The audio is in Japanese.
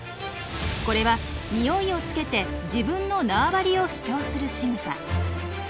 これはニオイをつけて自分の縄張りを主張するしぐさ。